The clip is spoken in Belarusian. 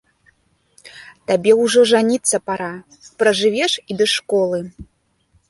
Табе ўжо жаніцца пара, пражывеш і без школы!